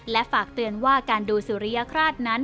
และฝากเตือนว่าการดูสุริยคราชนั้น